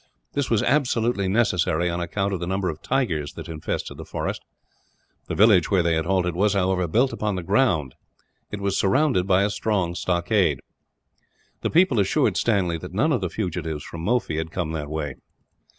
This was absolutely necessary, on account of the number of tigers that infested the forest. The village where they had halted was, however, built upon the ground; but was surrounded by a strong stockade. The people assured Stanley that none of the fugitives from Mophi had come that way.